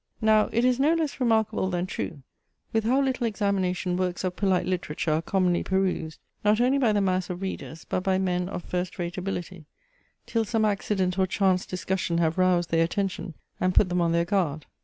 Now it is no less remarkable than true, with how little examination works of polite literature are commonly perused, not only by the mass of readers, but by men of first rate ability, till some accident or chance discussion have roused their attention, and put them on their guard.